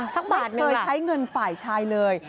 สักบาทนึงล่ะค่ะไม่เคยใช้เงินฝ่ายชายเลย